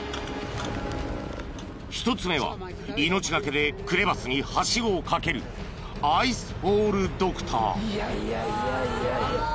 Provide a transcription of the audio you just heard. ［１つ目は命懸けでクレバスにはしごをかけるアイスフォールドクター］